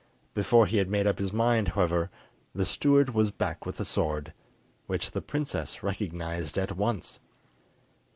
Before he had made up his mind, however, the steward was back with the sword, which the princess recognised at once.